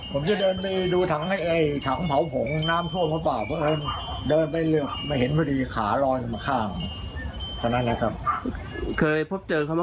และที่ที่ลุงเจอคือสภาพศพก็เป็นไรบ้างครับ